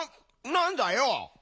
なんだよ？